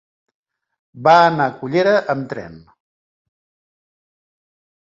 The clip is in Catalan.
Va anar a Cullera amb tren.